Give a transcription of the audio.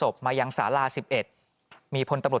ปี๖๕วันเช่นเดียวกัน